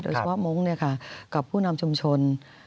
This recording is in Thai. เฉพาะมงค์กับผู้นำชุมชน